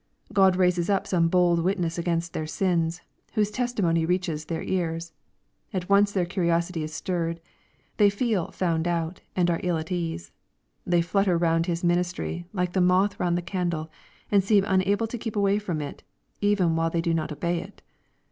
God raises up some bold witness against their sins, whose testimony reaches their ears. At once their curiosity is stirred. They feel "found out,'' and are ill at ease. They flutter round his ministry, like the moth round the candle, and seem unable to keep away from it, even while they do not obey it.